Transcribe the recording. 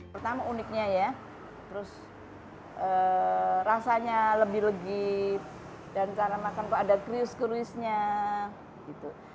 pertama uniknya ya terus rasanya lebih legit dan cara makan kok ada krius kruisenya gitu